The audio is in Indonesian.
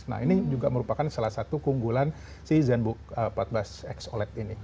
nah ini juga merupakan salah satu keunggulan si zenbook empat belas x oled ini